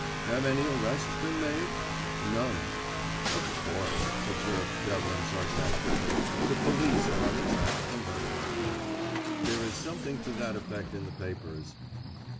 "Have any arrests been made?" "None." "Of course," observed Devlin sarcastically, "the police are on the track of the murderer." "There is something to that effect in the papers."